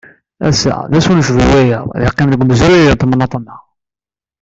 Ass-a, d ass ur necbi wiyaḍ, ad yeqqim deg umezruy n temnaḍt-nneɣ.